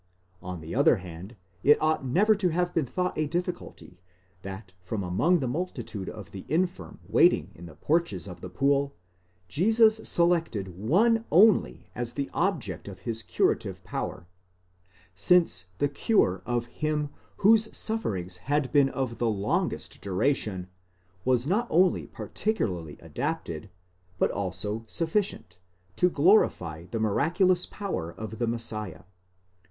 On the other hand. it ought never to have been thought a difficulty?? that from among the multitude of the infirm waiting in the porches of the pool, Jesus selected one only as the object of his curative power, since the cure of him whose sufferings had been of the longest duration was not only particularly adapted, but also sufficient, to glorify the miraculous power of the Messiah.